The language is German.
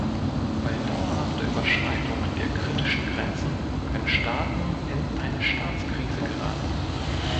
Bei dauerhafter Überschreitung der kritischen Grenzen können Staaten in eine Staatskrise geraten.